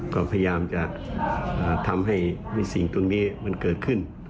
ก็พยายามจะทำให้สิ่งตรงนี้มันเกิดขึ้น